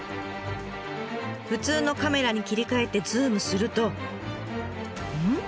普通のカメラに切り替えてズームするとうん？